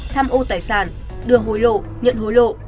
tham ô tài sản đưa hối lộ nhận hối lộ